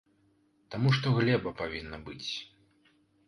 Таму што глеба павінна быць.